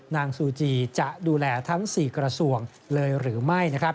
ซูจีจะดูแลทั้ง๔กระทรวงเลยหรือไม่